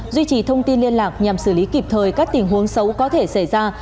duy trì thông tin liên lạc nhằm xử lý kịp thời các tình huống xấu có thể xảy ra